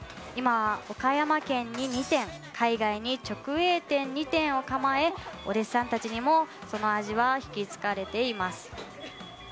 今は岡山県に２店海外に直営店２店を構えお弟子さんたちにもその味は引き継がれています。